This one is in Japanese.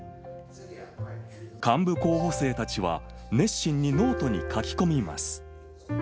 幹部候補生たちは、熱心にノートに書き込みます。